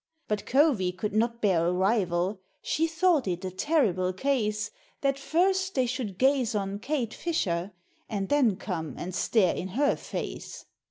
But Covey could not bear a rival. She thought it a terrible case That first they should gaze on Kate Fisher, And then come and stare in her face.